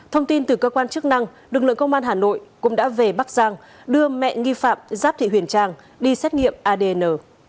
thông tin từ cơ quan chức năng lực lượng công an hà nội cũng đã về bắc giang đưa mẹ nghi phạm giáp thị huyền trang đi xét nghiệm adn